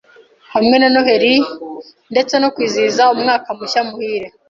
hamwe na Noheli(Christmas) ndetse no kwizihiza umwaka mushya muhire